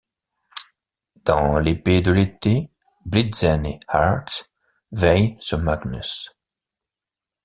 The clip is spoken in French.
Dans L'Epée de l'été, Blitzen et Hearth veillent sur Magnus.